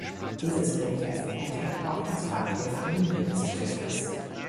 Dieses Relief enthält auch das Wappen der Familie des Stifters.